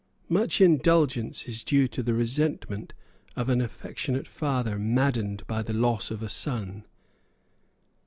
Much indulgence is due to the resentment of an affectionate father maddened by the loss of a son.